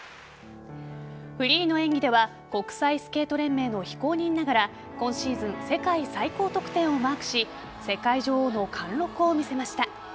フリーの演技では国際スケート連盟の非公認ながら今シーズン世界最高得点をマークし世界女王の貫禄を見せました。